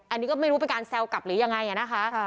อันนี้ก็ไม่รู้เป็นการแซวกลับหรือยังไงนะคะ